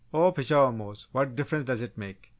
"Oh pshaw, Mose, what difference does it make?